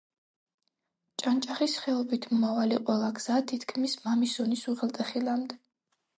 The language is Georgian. ჭანჭახის ხეობით მიმავალი ყველა გზა, თითქმის მამისონის უღელტეხილამდე.